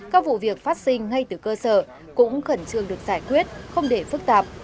các vụ việc phát sinh ngay từ cơ sở cũng khẩn trương được giải quyết không để phức tạp